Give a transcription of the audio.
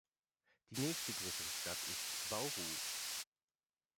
Die nächste größere Stadt ist Bauru.